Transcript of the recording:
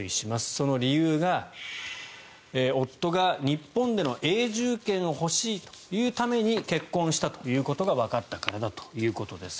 その理由が夫が日本での永住権が欲しいというために結婚したということがわかったからだということです。